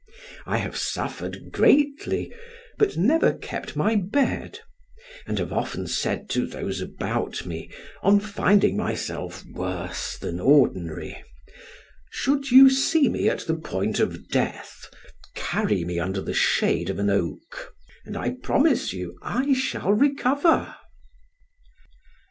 I have suffered greatly, but never kept my bed, and have often said to those about me, on finding myself worse than ordinary, "Should you see me at the point of death, carry me under the shade of an oak, and I promise you I shall recover."